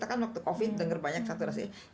ya kita kan waktu covid dengar banyak saturasi oksigen